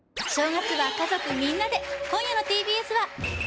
お正月は家族みんなで今夜のＴＢＳは？